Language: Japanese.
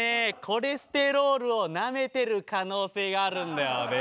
コレステロールをなめてる可能性があるんだよね。